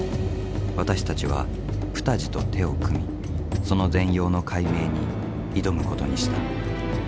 私たちはプタジと手を組みその全容の解明に挑むことにした。